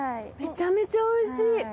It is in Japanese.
めちゃめちゃおいしい。